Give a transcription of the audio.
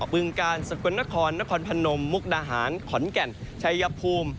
บึงกาลสกลนครนครพนมมุกดาหารขอนแก่นชัยภูมิ